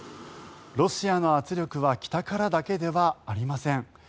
ロシアの圧力は北からだけではありません。